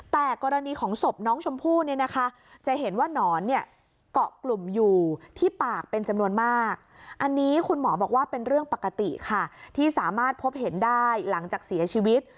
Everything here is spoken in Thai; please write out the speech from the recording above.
แต่กรณีของศพน้องชมพู่เนี่ยนะคะจะเห็นว่านอนเนี่ยเกาะกลุ่มอยู่ที่ปากเป็นจำนวนมากอันนี้คุณหมอบอกว่าเป็นเรื่องปกติค่ะที่สามารถพบเห็นได้หลังจากเสียชีวิต